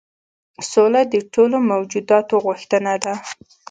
سوله د ټولو موجوداتو غوښتنه ده.